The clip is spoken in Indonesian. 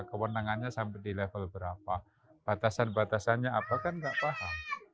kewenangannya sampai di level berapa batasan batasannya apa kan nggak paham